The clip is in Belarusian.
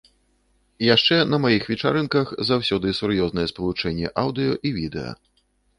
Яшчэ на маіх вечарынках заўсёды сур'ёзнае спалучэнне аўдыё і відэа.